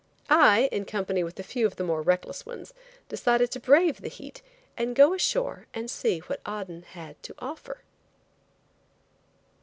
I, in company with a few of the more reckless ones, decided to brave the heat and go ashore and see what Aden had to offer.